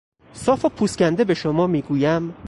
صاف و پوست کنده به شما میگویم...